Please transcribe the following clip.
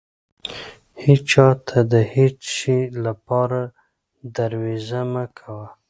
هيچا ته د هيڅ شې لپاره درويزه مه کوه.